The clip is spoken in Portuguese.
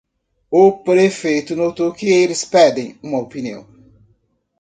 O prefeito notou que eles pedem uma opinião.